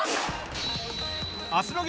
明日の激